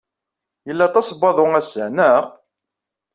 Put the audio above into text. Yella aṭas n waḍu ass-a, naɣ?